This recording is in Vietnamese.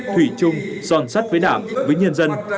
thủy chung son sắt với đảng với nhân dân